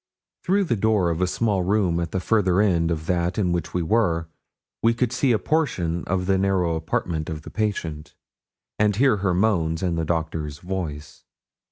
Through the door of a small room at the further end of that in which we were, we could see a portion of the narrow apartment of the patient, and hear her moans and the doctor's voice.